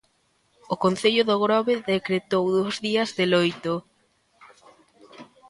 O Concello do Grove decretou dous días de loito.